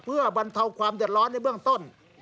เพื่อบรรเทาความเดือดร้อนในเบื้องต้น